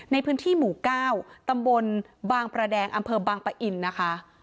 ในพื้นที่หมู่๙ตำบลบางประแดงอำเภอบางปะอินนะคะ